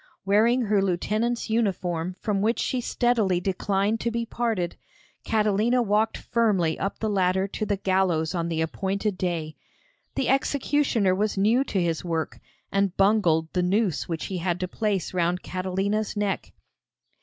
Wearing her lieutenant's uniform from which she steadily declined to be parted, Catalina walked firmly up the ladder to the gallows on the appointed day. The executioner was new to his work, and bungled the noose which he had to place round Catalina's neck.